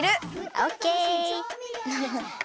オッケー！